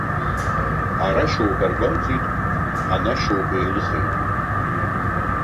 Ара шьоук аргәамҵит, ана шьоук еилыхеит.